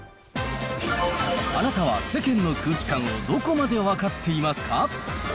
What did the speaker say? あなたは世間の空気感をどこまで分かっていますか？